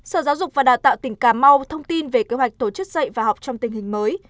sở giáo dục và đào tạo tỉnh cà mau thông tin về kế hoạch tổ chức dạy và học trong tình hình mới